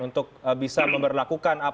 untuk bisa memperlakukan apa yang terlaku